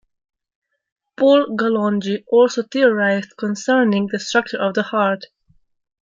Paul Ghalioungui also theorized concerning the structure of the heart.